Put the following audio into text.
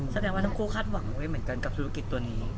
แสดงว่าคู่คาดหวังกับธุรกิจตัวนี้